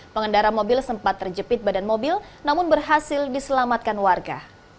pengendara mobil sempat terjepit badan mobil namun berhasil diselamatkan warga